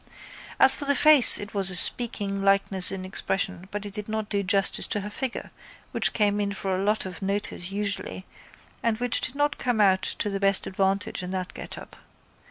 As for the face it was a speaking likeness in expression but it did not do justice to her figure which came in for a lot of notice usually and which did not come out to the best advantage in that getup.